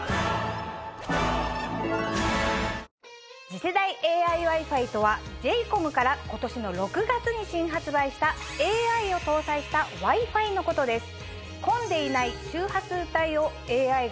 次世代ＡＩＷｉ−ＦｉとはＪ：ＣＯＭから今年の６月に新発売したＡＩを搭載したＷｉ−Ｆｉのことです。